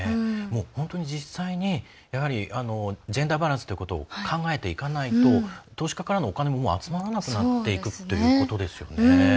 本当に実際にやはり、ジェンダーバランスということを考えていかないと投資家からのお金も集まらなくなっていくということですよね。